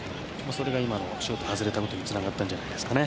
それがシュートが外れたことにつながったんじゃないですかね。